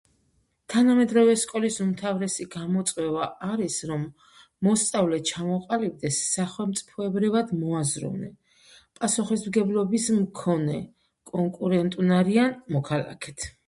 თანამედროვე სკოლის უმთავრესი გამოწვევა არის რომ მოსწავლე ჩამოყალიბდეს სახელმწიფოებრივად მოაზროვნედ პასუხისმგებლობის მქონე კონკურენტუნარიან მოქალაქედ